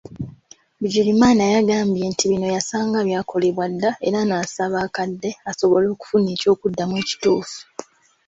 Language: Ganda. Bigirimana yagambye nti bino yasanga byakolebwa dda era n'asaba akadde asobole okufuna eky'okuddamu ekituufu.